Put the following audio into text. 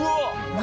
何？